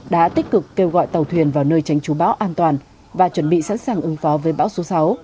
đã tích cực kêu gọi tàu thuyền vào nơi tránh chú bão an toàn và chuẩn bị sẵn sàng ứng phó với bão số sáu